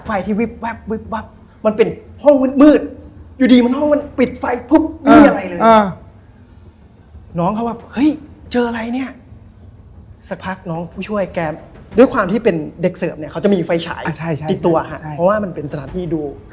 ไอ้โตผมก็เลยอะไรพี่